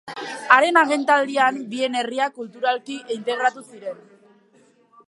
Haren agintaldian, bien herriak kulturalki integratu ziren.